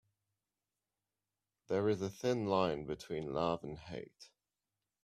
There is a thin line between love and hate.